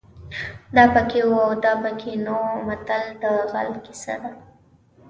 دا پکې وو او دا پکې نه وو متل د غل کیسه ده